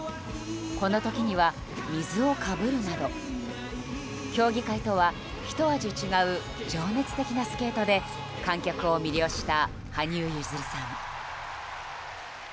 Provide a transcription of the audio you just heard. この時には水をかぶるなど競技会とはひと味違う情熱的なスケートで観客を魅了した羽生結弦さん。